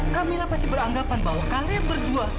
kamilah pasti beranggapan bahwa kalian berdua